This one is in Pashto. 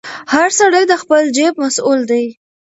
هر سړی د خپل جیب مسوول دی.